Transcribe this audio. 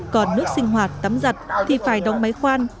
còn nước sinh hoạt tắm giặt thì phải đóng máy khoan